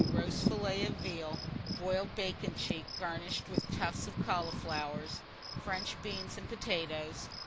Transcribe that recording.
Roast fillet of veal, boiled bacon cheek garnished with tufts of cauliflowers, French beans and potatoes.